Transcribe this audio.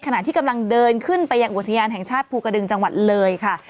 ขณะที่กำลังเดินขึ้นไปยังอุทยานแห่งชาติภูกระดึงจังหวัดเลยค่ะ